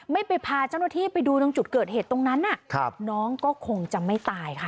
ไม่ไปพาเจ้าหน้าที่ไปดูตรงจุดเกิดเหตุตรงนั้นน้องก็คงจะไม่ตายค่ะ